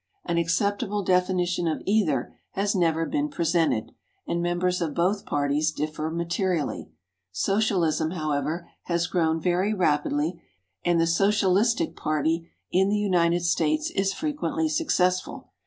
An acceptable definition of either has never been presented, and members of both parties differ materially. Socialism, however, has grown very rapidly, and the Socialistic Party in the United States is frequently successful.